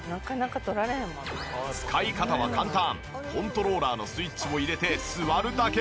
使い方は簡単。